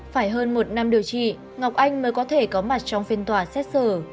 phải hơn một năm điều trị ngọc anh mới có thể có mặt trong phiên tòa xét xử